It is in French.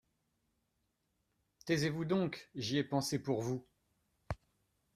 Taisez-vous donc ! j’y ai pensé pour vous.